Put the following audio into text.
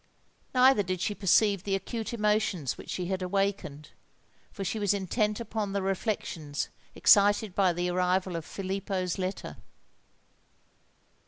Neither did she perceive the acute emotions which she had awakened; for she was intent upon the reflections excited by the arrival of Filippo's letter.